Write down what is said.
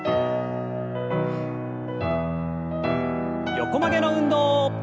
横曲げの運動。